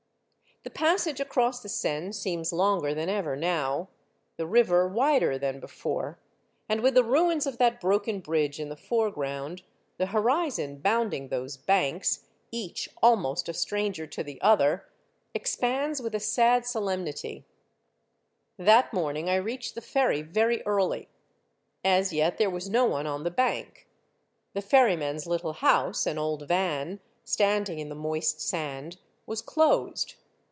The passage across the Seine seems longer than ever now, the river wider than before, and with the ruins of that broken bridge in the foreground, the horizon bounding those banks, each almost a stranger to the other, expands with a sad solemnity. The Ferry, 113 That morning I reached the ferry very early. As yet there was no one on the bank. The ferry man's little house, an old van, standing in the moist sand, was closed.